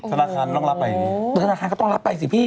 ธนาคารต้องรับไปอย่างนี้ธนาคารก็ต้องรับไปสิพี่